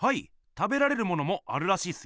食べられるものもあるらしいっすよ。